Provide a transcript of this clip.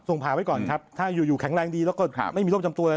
ส่งผ่าไว้ก่อนครับถ้าอยู่แข็งแรงดีแล้วก็ไม่มีร่วมจำตัวอะไร